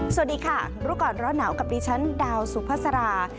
สวัสดีค่ะรู้ก่อนร้อนหนาวกับดิฉันดาวสุภาษารา